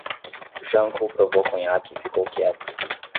Janko provou conhaque e ficou quieto.